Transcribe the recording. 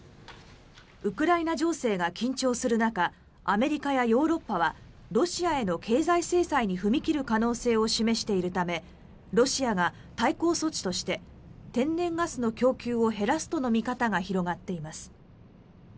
ウクライナ情勢が緊張する中アメリカやヨーロッパはロシアへの経済制裁に踏み切る可能性を示しているためロシアが対抗措置として天然ガスの供給を減らすとの見方が広がっています。